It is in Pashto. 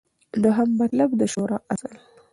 دوهم مطلب : د شورا اصل